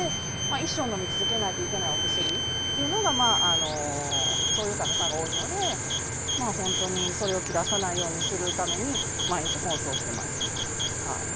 一生飲み続けないといけないお薬というのが、そういう患者さんが多いので、本当にそれを切らさないようにするために、毎日奔走してます。